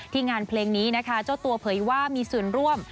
งานเพลงนี้นะคะเจ้าตัวเผยว่ามีส่วนร่วม